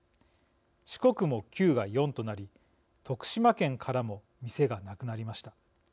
四国も９が４となり徳島県からも店がなくなりました。